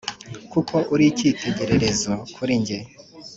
kuko uri ikitegererezo kuri nge